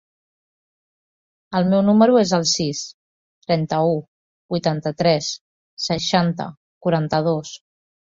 El meu número es el sis, trenta-u, vuitanta-tres, seixanta, quaranta-dos.